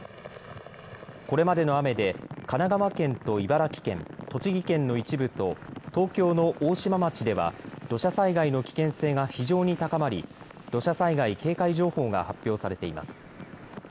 これまでの雨で神奈川県と茨城県、栃木県の一部と東京の大島町では土砂災害の危険性が非常に高まり土砂災害警戒情報が発表されています。